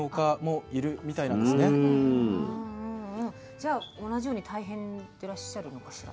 じゃあ同じように大変でらっしゃるのかしら。